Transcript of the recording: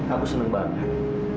aku seneng banget